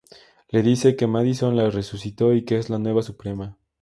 Le dice que Madison la resucitó y que es la nueva Suprema.